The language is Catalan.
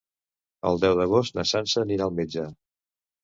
El deu d'agost na Sança anirà al metge.